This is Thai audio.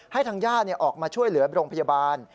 ทางญาติออกมาช่วยเหลือโรงพยาบาล